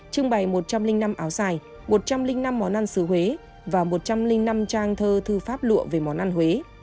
trưng bày một trăm linh năm áo dài một trăm linh năm món ăn xứ huế và một trăm linh năm trang thơ thư pháp lụa về món ăn huế